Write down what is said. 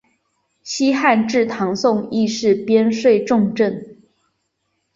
西汉至唐宋亦是边睡重镇。